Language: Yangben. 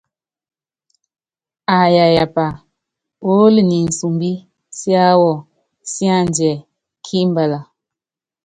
Aa yayapá oolo niinsumbi siáwɔ síaadiɛ́ kímabala.